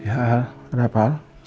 ya al kenapa al